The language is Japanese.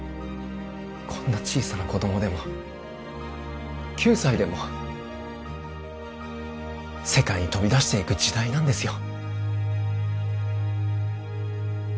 こんな小さな子供でも９歳でも世界に飛び出していく時代なんですよ